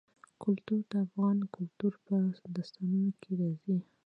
کلتور د افغان کلتور په داستانونو کې راځي.